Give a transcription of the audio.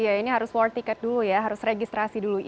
iya ini harus war ticket dulu ya harus registrasi dulu